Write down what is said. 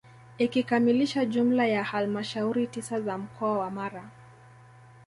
Ikikamilisha jumla ya halmashauri tisa za mkoa wa Mara